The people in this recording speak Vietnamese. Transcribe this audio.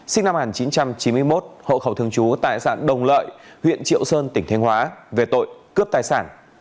sinh năm một nghìn chín trăm chín mươi một hộ khẩu thường trú tài sản đồng lợi huyện triệu sơn tỉnh thành hóa về tội cướp tài sản